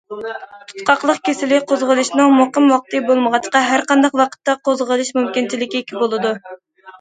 تۇتقاقلىق كېسىلى قوزغىلىشنىڭ مۇقىم ۋاقتى بولمىغاچقا، ھەر قانداق ۋاقىتتا قوزغىلىش مۇمكىنچىلىكى بولىدۇ.